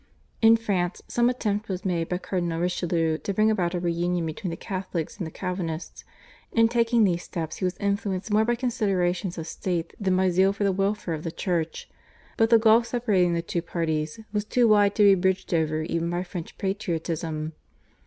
In France some attempts were made by Cardinal Richelieu to bring about a reunion between the Catholics and the Calvinists. In taking these steps he was influenced more by considerations of state than by zeal for the welfare of the Church, but the gulf separating the two parties was too wide to be bridged over even by French patriotism.